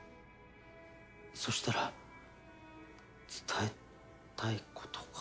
そしたら伝えたいことが。